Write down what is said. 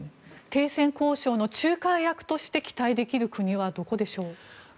停戦交渉の仲介役として期待できる国はどこでしょうか。